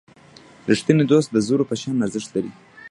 رښتینی دوستي د زرو په شان ارزښت لري.